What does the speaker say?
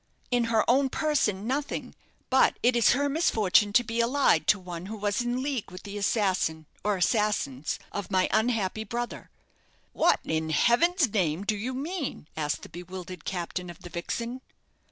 "In her own person, nothing; but it is her misfortune to be allied to one who was in league with the assassin, or assassins, of my unhappy brother." "What, in heaven's name, do you mean?" asked the bewildered captain of the "Vixen."